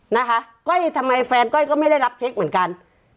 นะคะก้อยทำไมแฟนก้อยก็ไม่ได้รับเช็คเหมือนกัน